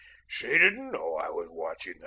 SHE didn't know I was watching her.